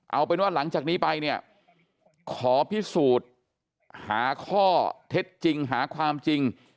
เอาเป็นว่าหลังจากนี้ไปเนี่ยขอพิสูจน์หาข้อเท็จจริงหาความจริง